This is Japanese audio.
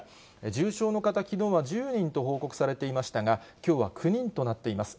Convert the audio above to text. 重症の方、きのうは１０人と報告されていましたが、きょうは９人となっています。